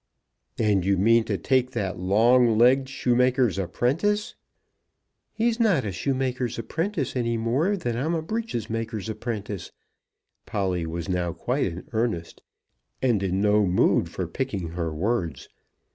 "And you mean to take that long legged shoemaker's apprentice." "He's not a shoemaker's apprentice any more than I'm a breeches maker's apprentice." Polly was now quite in earnest, and in no mood for picking her words.